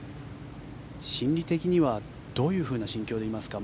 心理的にはどういうふうな心境でいますか？